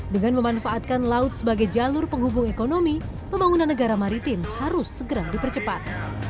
dengan memanfaatkan laut sebagai jalur penghubung ekonomi pembangunan negara maritim harus segera dipercepat